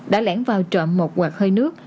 đã lẻn vào trộm một quạt hơi nước